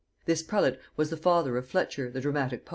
This prelate was the father of Fletcher the dramatic poet.